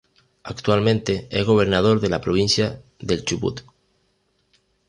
Actualmente es Gobernador de la Provincia del Chubut.